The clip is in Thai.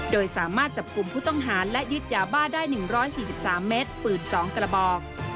โดยสามารถจับกลุ่มผู้ต้องหาและยึดยาบ้าได้๑๔๓เมตรปืน๒กระบอก